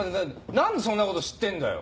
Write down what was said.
何でそんなこと知ってんだよ。